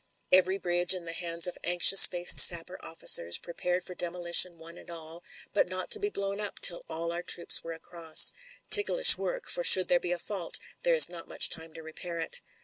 Every bridge in the io8 MEN, WOMEN AND GUNS han4s of anxious faced sapper officers, prepared for demolition one and all, but not to be blown up till all our troops were across. Ticklish work, for should there be a fault, there is not much time to repair it.